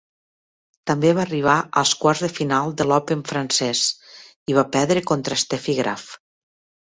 També va arribar als quarts de final de l'Open francès i va perdre contra Steffi Graf.